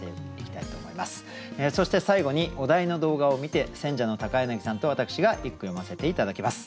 そして最後にお題の動画を観て選者の柳さんと私が一句詠ませて頂きます。